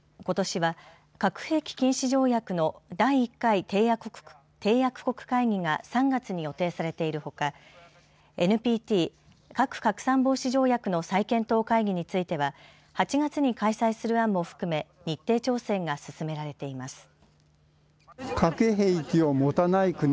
ことしは核兵器禁止条約の第１回締約国会議が３月に予定されているほかＮＰＴ＝核拡散防止条約の再検討会議については８月に開催する案も含め日程調整が進められています。